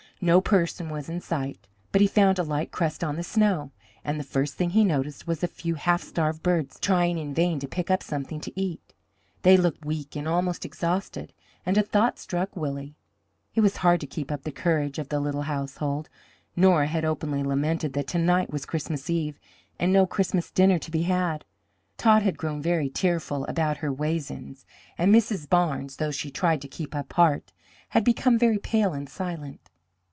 No person was in sight, but he found a light crust on the snow, and the first thing he noticed was a few half starved birds trying in vain to pick up something to eat. They looked weak and almost exhausted, and a thought struck Willie. It was hard to keep up the courage of the little household. Nora had openly lamented that to night was Christmas Eve, and no Christmas dinner to be had. Tot had grown very tearful about her "waisins," and Mrs. Barnes, though she tried to keep up heart, had become very pale and silent.